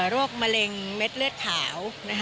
โรคมะเร็งเม็ดเลือดขาว